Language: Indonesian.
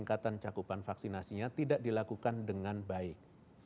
protokol kesehatan dan peningkatan cakupan vaksinasinya tidak dilakukan dengan baik